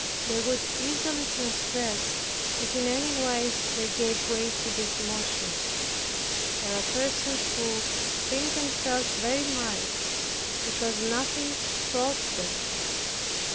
They would easily transgress, if in any wise they gave way to these motions. There are persons who think themselves very mild because nothing thwarts them.